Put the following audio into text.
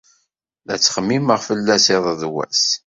La tt-xemmimeɣ fell-as iḍ d wass.